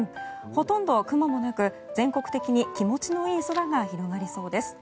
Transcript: ほとんど雲もなく全国的に気持ちのいい空が広がりそうです。